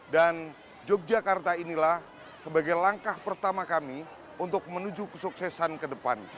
dan yogyakarta inilah sebagai langkah pertama kami untuk menuju kesuksesan ke depan